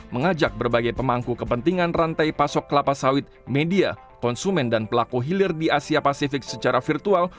mengajak berbagai pemangku kepentingan rantai pasok kelapa sawit media konsumen dan pelaku hilir di asia pasifik secara virtual